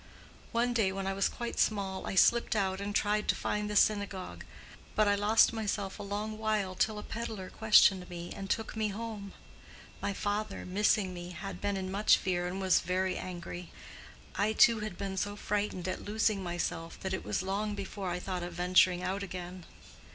One day when I was quite small I slipped out and tried to find the synagogue, but I lost myself a long while till a peddler questioned me and took me home. My father, missing me, had been much in fear, and was very angry. I too had been so frightened at losing myself that it was long before I thought of venturing out again.